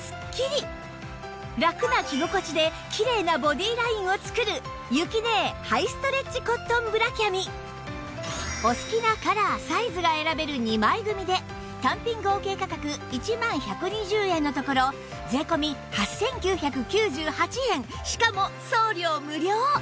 ラクな着心地できれいなボディーラインを作るお好きなカラーサイズが選べる２枚組で単品合計価格１万１２０円のところ税込８９９８円しかも送料無料